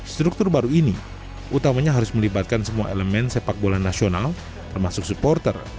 struktur baru ini utamanya harus melibatkan semua elemen sepak bola nasional termasuk supporter